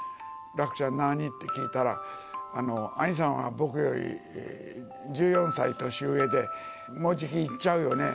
楽ちゃん、何？って聞いたら、兄さんは僕より１４歳年上で、もうじき逝っちゃうよね。